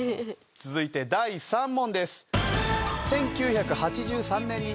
続いて第３問です。